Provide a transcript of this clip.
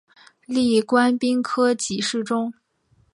历官兵科给事中。